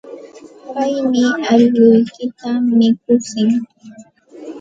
Paymi allquykita mikutsin.